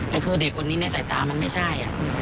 แต่คือเด็กคนนี้ในสายตามันไม่ใช่